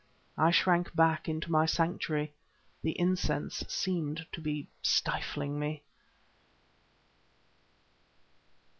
I shrank back into my sanctuary; the incense seemed to be stifling me.